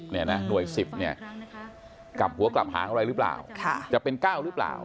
หน่วย๑๐กลับหัวกลับหาอะไรรึเปล่าจะเป็น๙รึเปล่า